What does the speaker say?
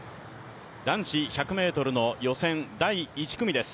男子１００ｍの予選第１組です。